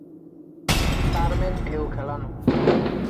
Term end ঢেউ খেলানো।